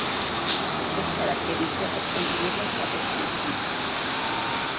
Es caracteritza per contenir l'alfabet ciríl·lic.